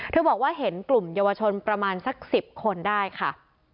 บอกว่าเห็นกลุ่มเยาวชนประมาณสัก๑๐คนได้ค่ะ